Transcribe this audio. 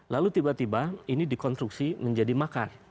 lalu tiba tiba ini dikonstruksi menjadi makar